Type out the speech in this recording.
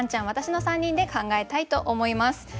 私の３人で考えたいと思います。